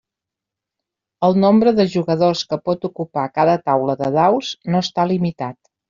El nombre de jugadors que pot ocupar cada taula de daus no està limitat.